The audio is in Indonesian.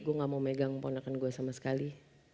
gue gak mau megang ponakan gue sama sekali